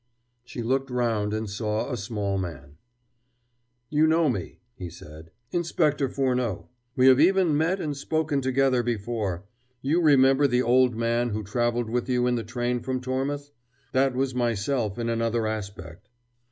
She looked round and saw a small man. "You know me," he said "Inspector Furneaux. We have even met and spoken together before you remember the old man who traveled with you in the train from Tormouth? That was myself in another aspect."